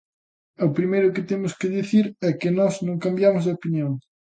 O primeiro que temos que dicir é que nós non cambiamos de opinión.